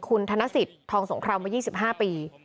คุณธนสิทธิ์ทองสงครามมา๒๕ปี